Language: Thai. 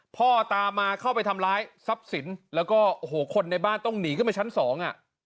พ่อตามมาเข้าไปทำร้ายทรัพย์ศิลป์แล้วก็๖คนในบ้านต้องหนีเข้าไปชั้น๒